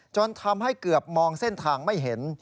จนทำให้เกือบมองเส้นทางไม่เห็น